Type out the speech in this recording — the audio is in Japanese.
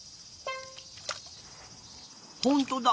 ほんとだ！